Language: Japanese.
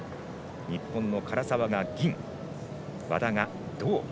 日本の唐澤が銀、和田が銅。